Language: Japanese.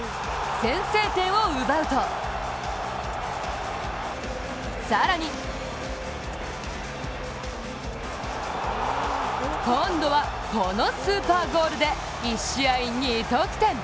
先制点を奪うと、更に今度はこのスーパーゴールで１試合２得点。